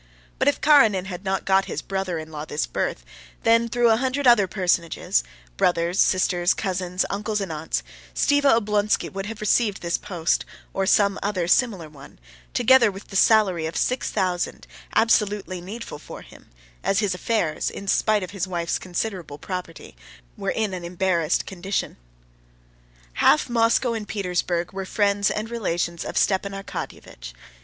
But if Karenin had not got his brother in law this berth, then through a hundred other personages—brothers, sisters, cousins, uncles, and aunts—Stiva Oblonsky would have received this post, or some other similar one, together with the salary of six thousand absolutely needful for him, as his affairs, in spite of his wife's considerable property, were in an embarrassed condition. Half Moscow and Petersburg were friends and relations of Stepan Arkadyevitch.